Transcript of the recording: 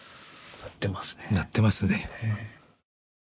なってますね。